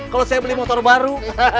kalau saya beli motor baru